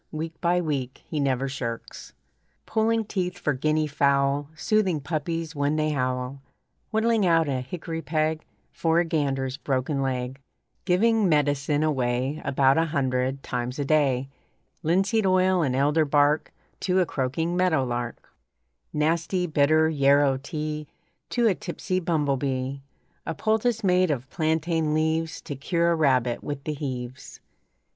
Week by week he never shirks Pulling teeth for guinea fowl, Soothing puppies when they howl, Whittling out a hickory peg For a gander's broken leg, Giving medicine away About a hundred times a day, Linseed oil and elder bark To a croaking meadowlark, Nasty, bitter yarrow tea To a tipsy bumble bee, A poultice made of plantain leaves To cure a rabbit with the heaves.